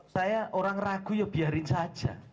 saya orang ragu ya biarin saja